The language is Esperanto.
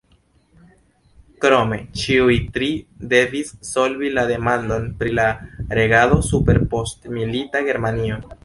Krome, ĉiuj tri devis solvi la demandon pri la regado super postmilita Germanio.